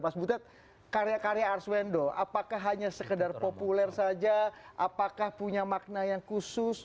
mas butet karya karya arswendo apakah hanya sekedar populer saja apakah punya makna yang khusus